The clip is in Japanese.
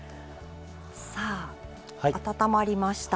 さあ温まりました。